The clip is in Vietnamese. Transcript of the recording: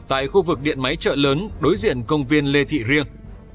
tại khu vực điện máy chợ lớn đối diện công viên lê thị riêng